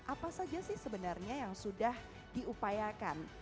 apa saja sih sebenarnya yang sudah diupayakan